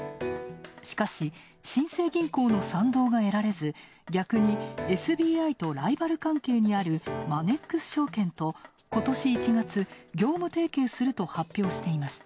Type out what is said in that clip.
しかし、新生銀行の賛同が得られず逆にＳＢＩとライバル関係にあるマネックス証券とことし１月、業務提携すると発表していました。